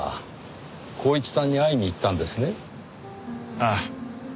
ああ。